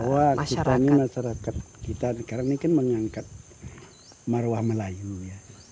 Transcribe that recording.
bahwa kita ini masyarakat kita sekarang ini kan mengangkat marwah melayu ya